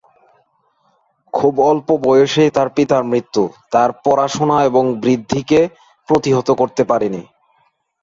খুব অল্প বয়সেই তাঁর পিতার মৃত্যু, তাঁর পড়াশোনা এবং বৃদ্ধিকে প্রতিহত করতে পারেনি।